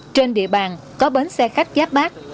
trên địa bàn có bến xe khách giáp bác